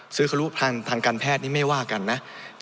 ซื้อครุทางการแพทย์นี่ไม่ว่ากันนะ